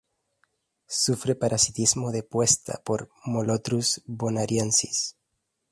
Sufre parasitismo de puesta por "Molothrus bonariensis".